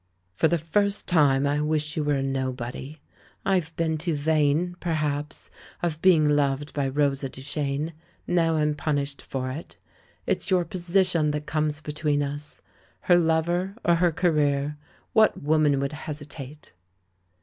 "For the first time I wish you were a nobody; I've been too vain, perhaps, of being loved by Rosa Duchene. Now I'm punished for it — it's your position that comes between us. Her lover, or her career — ^what woman would hesitate?"